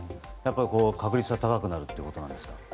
確率が高くなるということなんでしょうか。